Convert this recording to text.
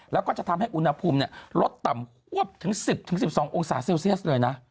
แล้วก็จะทำให้อุณหภูมิลดต่ำควบถึง๑๐๑๒องศาเซลเซียสเลยนะ